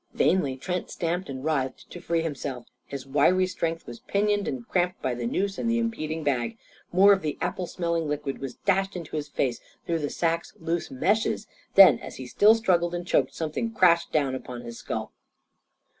Vainly, Trent stamped and writhed to free himself. His wiry strength was pinioned and cramped by the noose and the impeding bag. More of the apple smelling liquid was dashed into his face through the sack's loose meshes. Then, as he still struggled and choked, something crashed down upon his skull.